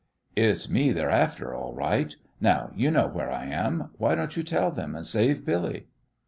"It's me they's after, all right. Now, you know where I am, why don't you tell them and save Billy?"